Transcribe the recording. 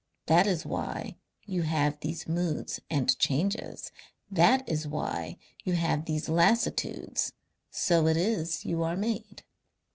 That is why you have these moods and changes, that is why you have these lassitudes. So it is you are made....